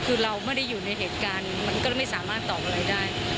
คือเราไม่ได้อยู่ในเหตุการณ์มันก็เลยไม่สามารถตอบอะไรได้